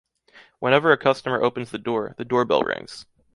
Whenever a customer opens the door, the doorbell rings.